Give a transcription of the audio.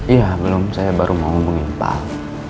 iya belum saya baru mau hubungin pak